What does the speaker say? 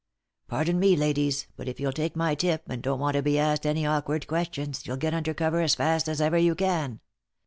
" Pardon me, ladies, but if you'll take my tip, and don't want to be asked any awkward questions, you'll get under cover as fast as ever you can.